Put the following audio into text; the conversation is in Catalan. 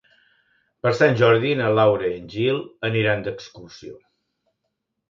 Per Sant Jordi na Laura i en Gil aniran d'excursió.